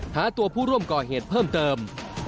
หาตัวผู้ร่วมก่อเหตุเพิ่มเติม